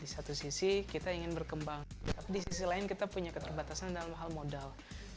di satu sisi kita ingin berkembang tapi di sisi lain kita punya keterbatasan dalam hal modal